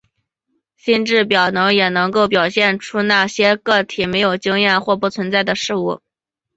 心智表征也能够表现那些个体没有经验过或不存在的事物。